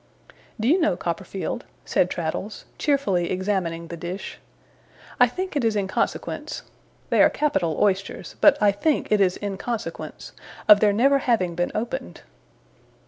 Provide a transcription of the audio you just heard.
'Do you know, Copperfield,' said Traddles, cheerfully examining the dish, 'I think it is in consequence they are capital oysters, but I think it is in consequence of their never having been opened.